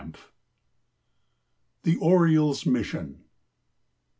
] THE ORIOLE'S MISSION.